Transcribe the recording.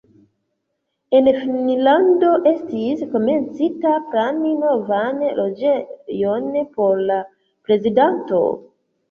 En Finnlando estis komencita plani novan loĝejon por la prezidanto.